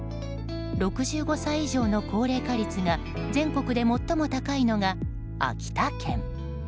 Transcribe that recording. ６５歳以上の高齢化率が全国で最も高いのが秋田県。